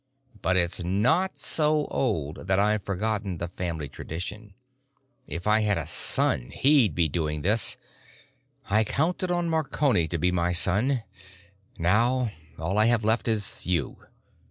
But it's not so old that I've forgotten the family tradition. If I had a son, he'd be doing this. I counted on Marconi to be my son; now all I have left is you.